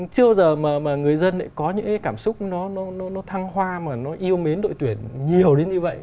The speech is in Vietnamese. chưa bao giờ mà người dân có những cảm xúc nó thăng hoa mà nó yêu mến đội tuyển nhiều đến như vậy